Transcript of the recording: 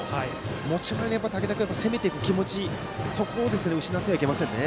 持ち前の竹田君の攻めていく気持ちを失ってはいけませんね。